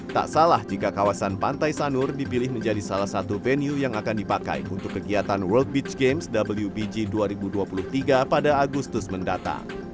tak salah jika kawasan pantai sanur dipilih menjadi salah satu venue yang akan dipakai untuk kegiatan world beach games wbg dua ribu dua puluh tiga pada agustus mendatang